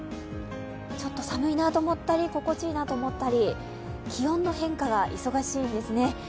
ちょっと寒いなと思ったり、心地いいなと思ったり、気温の変化が忙しいんですね。